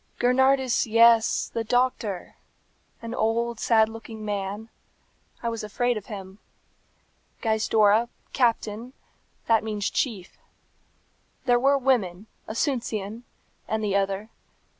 "Gernardus, yes, the doctor. An old, sad looking man. I was afraid of him. Gaizdorra, Captain, that means chief. There were women, Asuncion, and the other.